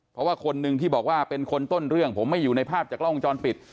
เพราะว่าคนหนึ่งที่บอกว่าเป็นคนต้นเรื่องผมไม่อยู่ในภาพจากกล้องวงจรปิด